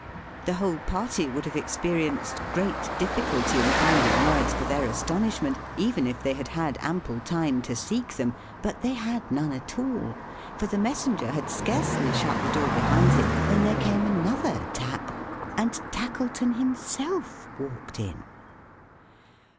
The whole party would have experienced great difficulty in finding words for their astonishment, even if they had had ample time to seek them. But they had none at all; for the messenger had scarcely shut the door behind him, when there came another tap, and Tackleton himself walked in.